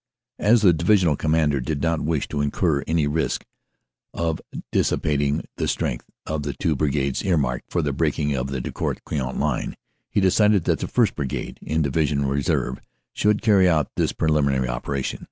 "As the Divisional Commander did not wish to incur any risk of dissipating the strength of the two brigades earmarked for the breaking of the Drocourt Queant line, he decided that the 1st. Brigade in Divisional Reserve should carry out this preliminary operation.